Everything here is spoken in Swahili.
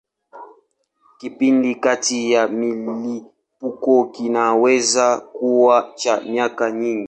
Kipindi kati ya milipuko kinaweza kuwa cha miaka mingi.